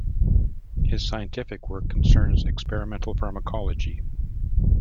His scientific work concerns experimental pharmacology.